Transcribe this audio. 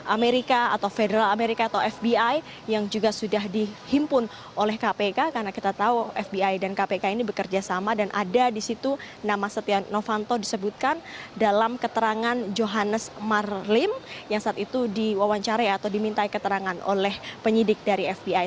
amerika atau federal amerika atau fbi yang juga sudah dihimpun oleh kpk karena kita tahu fbi dan kpk ini bekerja sama dan ada di situ nama setia novanto disebutkan dalam keterangan johannes marlim yang saat itu diwawancari atau diminta keterangan oleh penyidik dari fbi